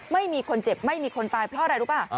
ไม่มีคนเจ็บไม่มีคนตายเพราะอะไรรู้ป่ะ